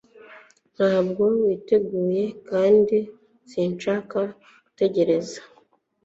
Ntabwo witeguye kandi sinshaka gutegereza